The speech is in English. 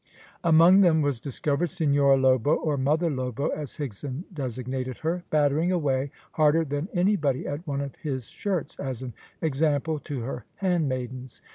Among them was discovered Senhora Lobo or Mother Lobo, as Higson designated her, battering away harder than anybody at one of his shirts, as an example to her handmaidens.